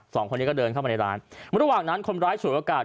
สองคนนี้ก็เดินเข้ามาในร้านระหว่างนั้นคนร้ายฉวยโอกาส